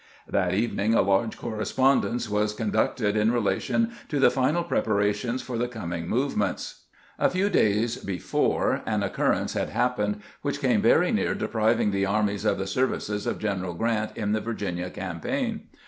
That evening a large correspondence was conducted in relation to the final preparations for the coming movements. A few days before, an occurrence had happened which came very near depriving the armies of the ser vices of General Grrant in the Virginia campaign.